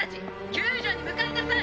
救助に向かいなさい！」